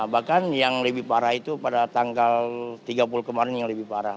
bahkan yang lebih parah itu pada tanggal tiga puluh kemarin yang lebih parah